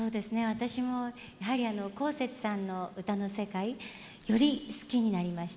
私もやはりこうせつさんの歌の世界より好きになりました。